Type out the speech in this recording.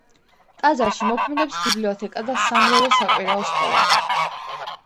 ტაძარში მოქმედებს ბიბლიოთეკა და სამრევლო საკვირაო სკოლა.